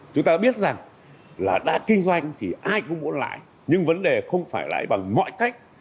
chúng ta biết rằng là đã kinh doanh thì ai cũng muốn lãi nhưng vấn đề không phải lãi bằng mọi cách